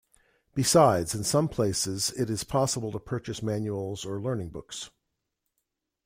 Besides, in some places it is possible to purchase manuals or learning books.